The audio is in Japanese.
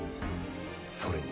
それに。